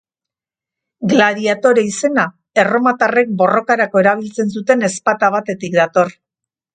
Gladiatore izena, erromatarrek borrokarako erabiltzen zuten ezpata batetik dator.